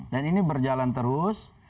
dan ini berjalan terus